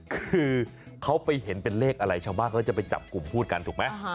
คือเขาไปเห็นเป็นเลขอะไรชาวบ้านเขาจะไปจับกลุ่มพูดกันถูกไหม